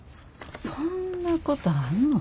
そんなことあんの？